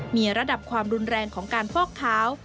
มีระดับความรุนแรงของการฟอกขาว